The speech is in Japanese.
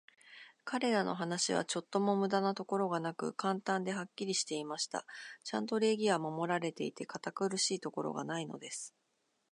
彼等の話は、ちょっとも無駄なところがなく、簡単で、はっきりしていました。ちゃんと礼儀は守られていて、堅苦しいところがないのです。